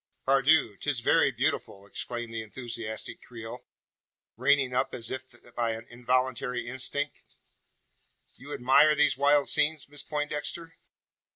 "Pardieu! 'tis very beautiful!" exclaimed the enthusiastic Creole, reining up as if by an involuntary instinct. "You admire these wild scenes, Miss Poindexter?"